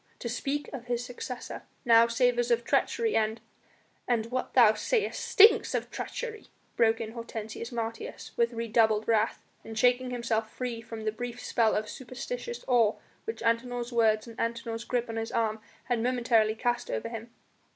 To speak of his successor now savours of treachery and " "And what thou sayest stinks of treachery," broke in Hortensius Martius with redoubled wrath, and shaking himself free from the brief spell of superstitious awe which Antinor's words and Antinor's grip on his arm had momentarily cast over him.